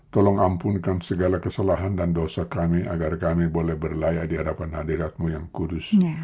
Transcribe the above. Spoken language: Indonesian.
tolong ampunkan segala kesalahan dan dosa kami agar kami boleh berlayak di hadapan hadiratmu yang kudus